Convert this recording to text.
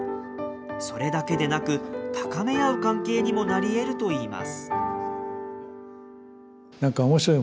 それだけでなく、高め合う関係にもなりえるといいます。